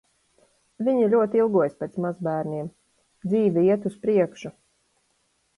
Viņi ļoti ilgojas pēc mazbērniem. Dzīve iet uz priekšu.